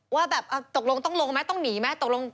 ว่าอ้ะตกลงต้องลงไหมต้องหนีไหม